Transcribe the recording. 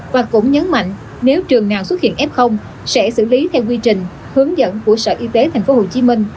và cũng nhấn mạnh nếu trường nào xuất hiện f sẽ xử lý theo quy trình hướng dẫn của sở y tế tp hcm